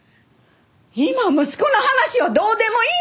今息子の話はどうでもいいでしょ！